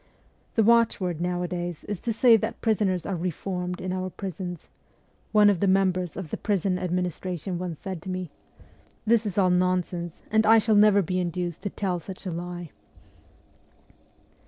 ' The watchword nowadays is to say that prisoners are reformed in our prisons/ one of the members of the prison administration once said to me. ' This is all nonsense, and I shall never be induced to tell such a lie.'